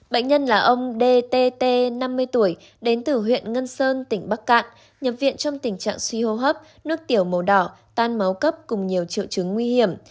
bệnh nhân là ông dt năm mươi tuổi đến từ huyện ngân sơn tỉnh bắc cạn nhập viện trong tình trạng suy hô hấp nước tiểu màu đỏ tan máu cấp cùng nhiều triệu chứng nguy hiểm